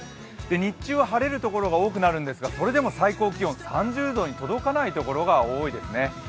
日中は晴れる所が多いんですが、それでも最高気温、３０度に届かない所が多いです。